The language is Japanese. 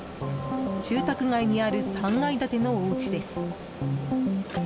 住宅街にある３階建てのおうちです。